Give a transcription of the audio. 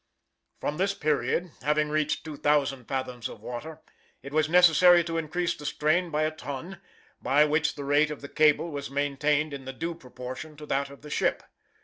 From this period, having reached 2,000 fathoms of water, it was necessary to increase the strain by a ton, by which the rate of the cable was maintained in due proportion to that of the ship.